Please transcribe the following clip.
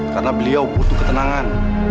karena beliau butuh ketenangan